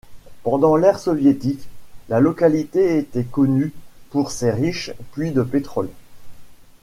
Pendant l'ère soviétique, la localité était connue pour ses riches puits de pétrole.